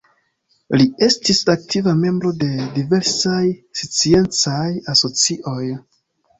Li estis aktiva membro de diversaj sciencaj asocioj.